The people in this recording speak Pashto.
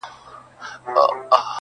دا ستا د حسن د اختر پر تندي.